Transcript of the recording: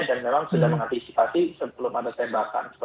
dan memang sudah mengantisipasi sebelum ada tembakan